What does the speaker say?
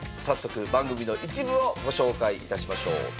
早速番組の一部をご紹介いたしましょう。